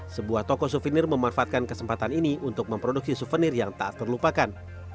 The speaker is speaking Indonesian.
sebuah toko souvenir memanfaatkan kesempatan ini untuk memproduksi souvenir yang tak terlupakan